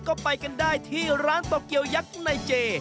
ก็ไปกันได้ที่ร้านโตเกียวยักษ์ในเจ